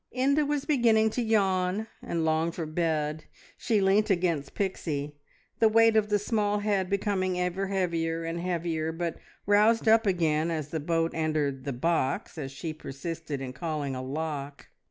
Inda was beginning to yawn and long for bed. She leant against Pixie, the weight of the small head becoming ever heavier and heavier, but roused up again as the boat entered the "box," as she persisted in calling a lock.